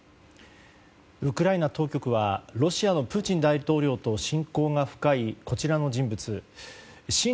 ウクライナ当局はロシアのプーチン大統領と親交が深い、こちらの人物親